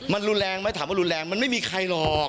มันรุนแรงไหมถามว่ารุนแรงมันไม่มีใครหรอก